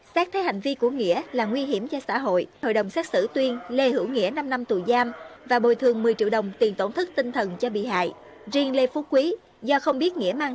xin chào và hẹn gặp lại